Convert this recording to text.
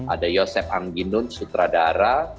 ada yosep angginun sutradara